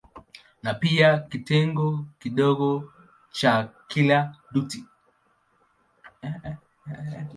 Ni pia kitengo kidogo cha kila dutu.